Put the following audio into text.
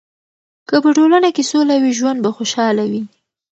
که په ټولنه کې سوله وي، ژوند به خوشحاله وي.